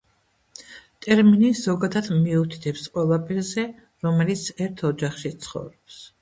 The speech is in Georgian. ტერმინი ზოგადად მიუთითებს ყველა პირზე, რომელიც ერთ ოჯახში ცხოვრობს.